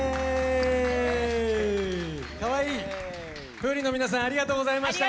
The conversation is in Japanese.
Ｆｏｏｒｉｎの皆さんありがとうございました。